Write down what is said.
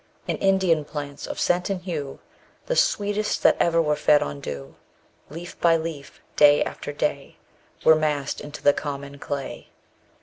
And Indian plants, of scent and hue _30 The sweetest that ever were fed on dew, Leaf by leaf, day after day, Were massed into the common clay.